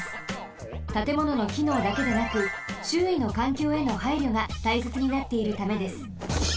たてもののきのうだけでなくしゅういのかんきょうへのはいりょがたいせつになっているためです。